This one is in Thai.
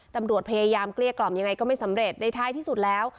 ตำรวจพยายามเกลี้ยกล่อมยังไงก็ไม่สำเร็จในท้ายที่สุดแล้ว